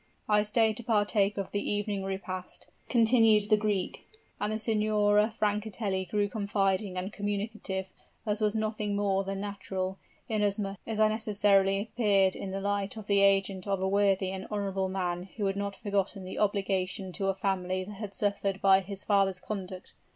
"I stayed to partake of the evening repast," continued the Greek; "and the Signora Francatelli grew confiding and communicative, as was nothing more than natural, inasmuch as I necessarily appeared in the light of the agent of a worthy and honorable man who had not forgotten the obligation to a family that had suffered by his father's conduct.